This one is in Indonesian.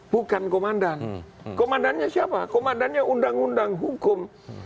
bukan komandan komandannya siapa komandannya undang undang hukum